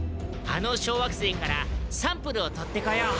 あの小惑星からサンプルをとってこよう！